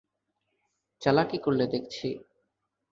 চালাকি করলে দেখছি।